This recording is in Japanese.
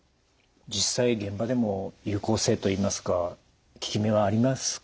実際現場でも有効性といいますか効き目はありますか？